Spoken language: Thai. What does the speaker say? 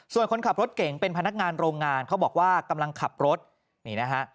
ส่วนคนขับรถเก่งเป็นพนักงานโรงงานเขาบอกว่ากำลังขับรถนี่นะฮะ